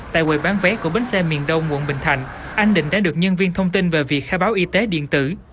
tại quầy bán vé của bến xe miền đông quận bình thạnh anh định đã được nhân viên thông tin về việc khai báo y tế điện tử